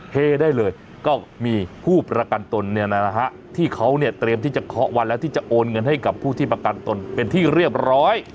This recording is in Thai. เฮได้เลยก็มีผู้ประกันตนเนี่ยนะฮะที่เขาเนี่ยเตรียมที่จะเคาะวันแล้วที่จะโอนเงินให้กับผู้ที่ประกันตนเป็นที่เรียบร้อย